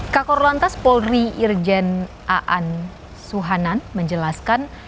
kakor lantas polri irjen aan suhanan menjelaskan